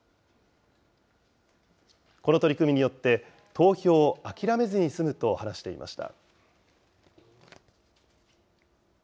この取り組みによって、投票を諦めずに済むと話していました。